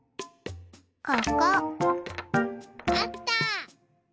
ここ。あった。